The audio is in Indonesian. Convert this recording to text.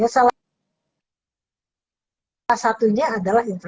salah satunya adalah